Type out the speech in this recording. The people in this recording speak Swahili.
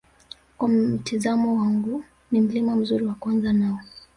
kwa mtizamo wangu ni Mlima mzuri wa kuanza nao